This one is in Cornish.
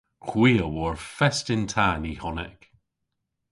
Hwi a wor fest yn ta Nihonek.